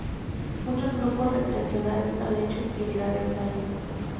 Muchos grupos recreacionales han hecho actividades allí.